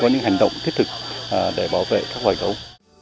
có những hành động thiết thực để bảo vệ các loài gấu